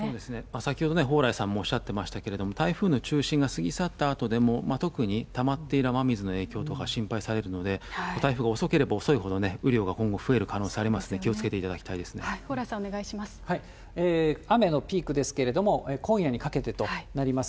先ほど蓬莱さんもおっしゃってましたけれども、台風の中心が過ぎ去ったあとでも、特にたまっている雨水の影響とか心配されるので、台風が遅ければ遅いほどね、雨量が今後増える可能性がありますので、気をつけていただきたい蓬莱さん、雨のピークですけれども、今夜にかけてとなります。